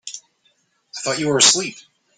I thought you were asleep.